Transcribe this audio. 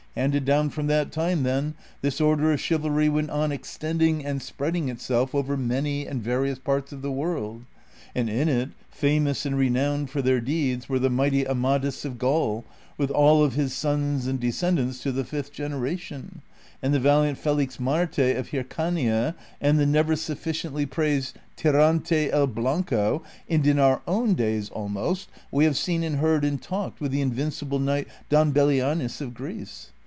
Handed down from that time, then, this order of chivalry went on extending and spreading itself over many and various parts of the world ; and in it, famous and re nowned for their deeds, were the mighty Amadis of Gaul with air his sons and descendants to the fifth generation, and the valiant Felixmarte of Hircania, and the never sufficiently praised Ti^ ante el Blanco, and in our own days almost we have seen and heard and talked with the invincible knight Don Belianis of Greece.